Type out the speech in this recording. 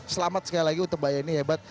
selamat sekali lagi untuk mbak yeni hebat